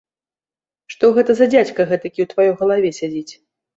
Што гэта за дзядзька гэтакі ў тваёй галаве сядзіць?